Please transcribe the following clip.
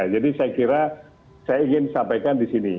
jadi saya kira saya ingin sampaikan di sini